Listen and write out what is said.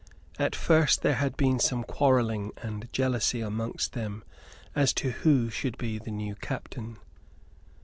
At first there had been some quarrelling and jealousy amongst them as to who should be the new captain.